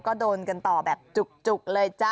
ก็โดนกันต่อแบบจุกเลยจ้ะ